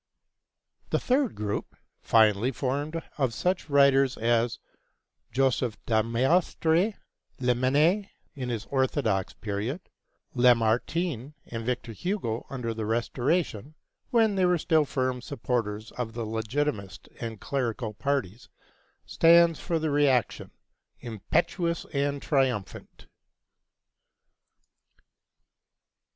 The third group, finally, formed of such writers as Joseph de Maistre, Lamennais in his orthodox period, Lamartine and Victor Hugo under the Restoration, when they were still firm supporters of the legitimist and clerical parties, stands for the reaction, impetuous and triumphant.